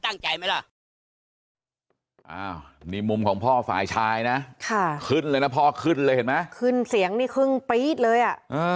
นี่มุมของพ่อฝ่ายชายนะขึ้นเลยนะพ่อขึ้นเลยเห็นไหมขึ้นเสียงนี่ครึ่งปี๊ดเลยอ่ะ